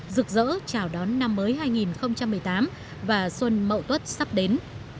rực rỡ chào đón năm mới hai nghìn một mươi tám và xuân mậu tuất sắp đến